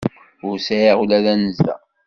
Ur sεiɣ ula d anza.